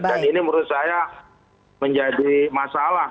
ini menurut saya menjadi masalah